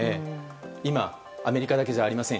今、アメリカだけじゃありません。